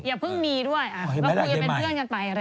อย่าเพิ่งมีด้วยก็คุยเป็นเพื่อนกันไปอะไรแบบนี้